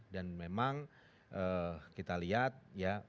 dan memang kita lihat ya